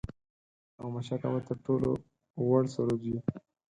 او مچکه به تر ټولو وُړ سرود وي